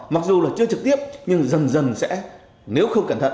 mặc dù là chưa trực tiếp nhưng dần dần sẽ nếu không cẩn thận